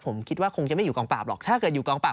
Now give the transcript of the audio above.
ผมคิดว่าคงจะไม่อยู่กองปราบหรอกถ้าเกิดอยู่กองปราบ